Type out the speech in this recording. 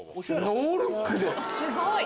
ノールックで⁉すごい！